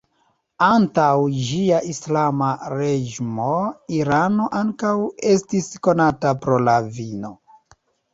Antaŭ ĝia islama reĝimo, Irano ankaŭ estis konata pro la vino.